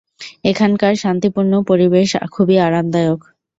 এখানকার শান্তিপূর্ণ পরিবেশ খুবই আরামদায়ক।